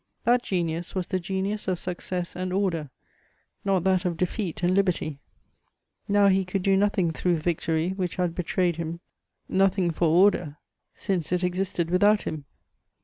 That genius was the genius of success and order, not that of defeat and liberty: now he could do nothing through victory, which had betrayed him, nothing for order, since it existed without him.